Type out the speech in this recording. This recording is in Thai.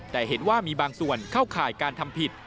แต่เห็นว่ามีบางส่วนเข้าข่ายการทำผิด